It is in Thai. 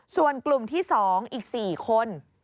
ส่วนกลุ่มที่๒อีก๔คน